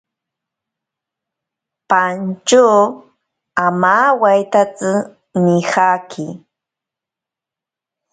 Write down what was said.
Pantyo amawaitatsi nijaki.